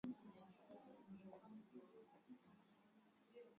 kwa kupitisha sheria ya kitaifa kurudisha Roe V Wade